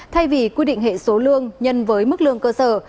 thay vì quy định hệ số lương nhân với mức lương cơ sở